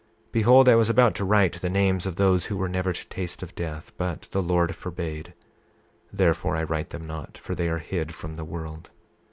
28:25 Behold, I was about to write the names of those who were never to taste of death, but the Lord forbade; therefore I write them not, for they are hid from the world.